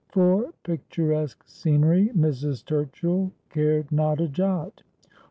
For picturesque scenery Mrs. Turchill cared not a jot.